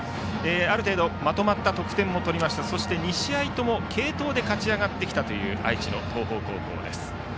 ある程度まとまった得点もとりましてそして、２試合とも継投で勝ち上がってきたという愛知の東邦高校です。